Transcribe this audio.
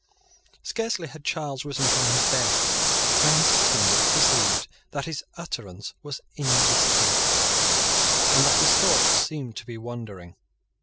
Scarcely had Charles risen from his bed when his attendants perceived that his utterance was indistinct, and that his thoughts seemed to be wandering.